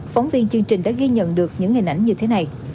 phóng viên chương trình đã ghi nhận được những hình ảnh như thế này